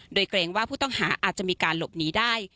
โดยเกรงว่าผู้ต้องหาอาจจะมีการหลบหนีได้